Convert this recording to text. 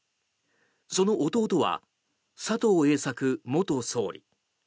その弟は佐藤栄作元総理。